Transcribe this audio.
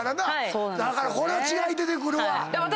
だからこれは違い出てくるわ。